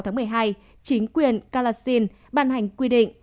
ngày hai mươi sáu tháng một mươi hai chính quyền kalashin ban hành quy định